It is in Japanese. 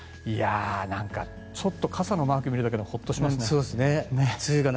なんかちょっと傘のマーク見るだけでホッとしますね。